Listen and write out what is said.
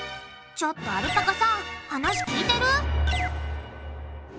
ちょっとアルパカさん話聞いてる？